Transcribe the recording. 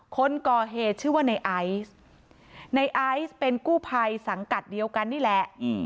คนก่อเหตุชื่อว่าในไอซ์ในไอซ์เป็นกู้ภัยสังกัดเดียวกันนี่แหละ